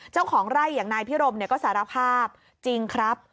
เจ้าของไร่อย่างนายพิรมก็สารภาพจริงครับ